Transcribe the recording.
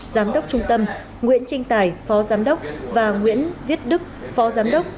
giám đốc trung tâm nguyễn tranh tài phó giám đốc và nguyễn viết đức phó giám đốc